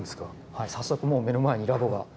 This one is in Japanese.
はい早速もう目の前にラボが１つ２つと。